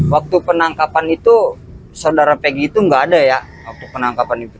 waktu penangkapan itu saudara peggy itu gaada ya waktu penangkapan itu